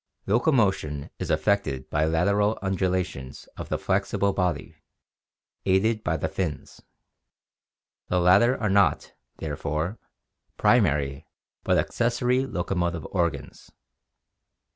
316 AQUATIC ADAPTATION 317 Locomotion is effected by lateral undulations of the flexible body, aided by the fins. The latter are not, therefore, primary but accessory locomotive organs.